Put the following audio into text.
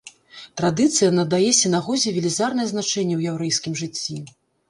Традыцыя надае сінагозе велізарнае значэнне ў яўрэйскім жыцці.